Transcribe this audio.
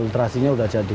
terasinya sudah jadi